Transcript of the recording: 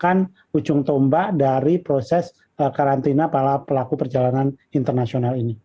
merupakan ujung tombak dari proses karantina para pelaku perjalanan internasional ini